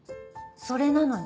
それなのに。